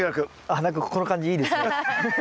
あっ何かこの感じいいですね。